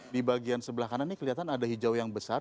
di bagian sebelah kanan ini kelihatan ada hijau yang besar